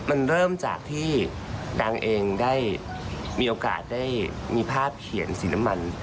มันเริ่มจากที่นางเองได้มีโอกาสได้มีภาพเขียนสีน้ำมัน